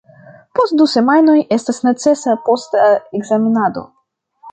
Post du semajnoj estas necesa posta ekzamenado.